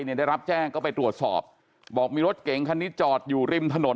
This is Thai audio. เนี่ยได้รับแจ้งก็ไปตรวจสอบบอกมีรถเก๋งคันนี้จอดอยู่ริมถนน